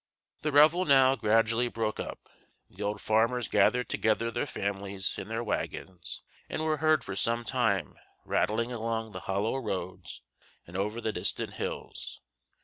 The revel now gradually broke up. The old farmers gathered together their families in their wagons, and were heard for some time rattling along the hollow roads and over the distant hills.